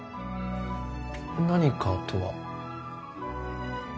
「何か」とは？